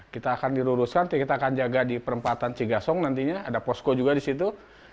kita akan diluruskan kita akan jaga di perempatan cigasong nantinya ada posko juga di situ